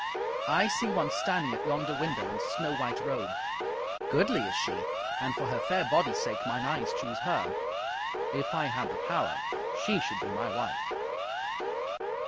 I see one standing at yonder window in snow white robe. Goodly is she, and for her fair body's sake, mine eyes choose her. If I had the power, she should be my wife."